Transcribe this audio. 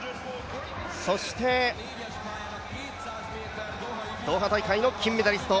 そしてドーハ大会の金メダリスト